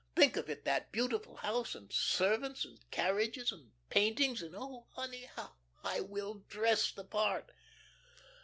Think of it, that beautiful house, and servants, and carriages, and paintings, and, oh, honey, how I will dress the part!"